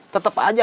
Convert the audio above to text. tetep aja kang mus